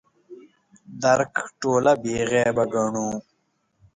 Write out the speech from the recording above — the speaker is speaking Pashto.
درک ټوله بې عیبه ګڼو.